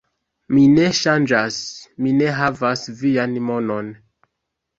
Mi ne ŝanĝas, mi ne havas vian monon